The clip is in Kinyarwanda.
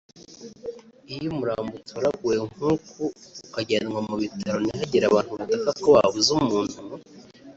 Iyo umurambo utoraguwe nk’ uku ukajyanwa mu bitaro ntihagire abantu bataka ko babuze umuntu